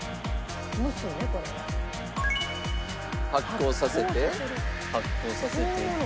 発酵させて発酵させていく。